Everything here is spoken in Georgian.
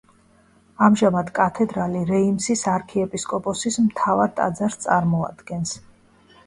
ამჟამად კათედრალი რეიმსის არქიეპისკოპოსის მთავარ ტაძარს წარმოადგენს.